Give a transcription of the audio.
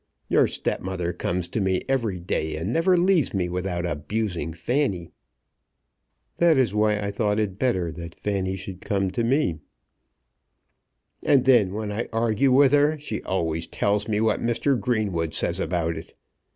Your stepmother comes to me every day, and never leaves me without abusing Fanny." "That is why I thought it better that Fanny should come to me." "And then, when I argue with her, she always tells me what Mr. Greenwood says about it.